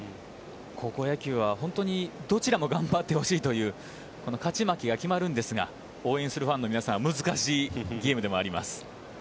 高校野球は本当にどちらも頑張ってほしいという勝ち負けが決まるんですが、応援するファンの皆さんは難しいゲームでもあります。